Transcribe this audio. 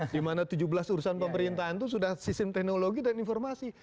dimana tujuh belas urusan pemerintahan itu sudah sistem teknologi dan informasi